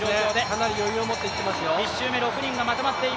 かなり余裕をもっていってますよ。